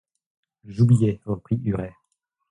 J'oubliais, reprit Huret.